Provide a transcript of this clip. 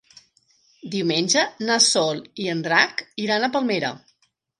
Diumenge na Sol i en Drac iran a Palmera.